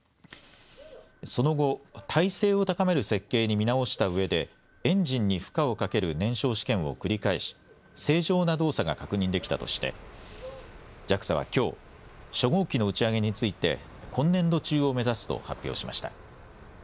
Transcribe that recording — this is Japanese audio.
その後、耐性を高める設計に見直したうえでエンジンに負荷をかける燃焼試験を繰り返し正常な動作が確認できたとしてＪＡＸＡはきょう、初号機の打ち上げについて今年度中を目指すと発表しました。